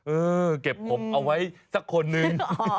เออเก็บผมเอาไว้สักคนนึง